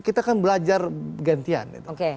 kita kan belajar gantian